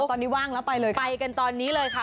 ตอนนี้ว่างแล้วไปเลยไปกันตอนนี้เลยค่ะ